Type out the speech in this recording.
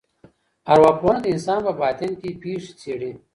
ارواپوهنه د انسان په باطن کي پېښي څېړي.